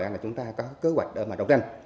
vậy là chúng ta có cơ hoạch để mà đọc ra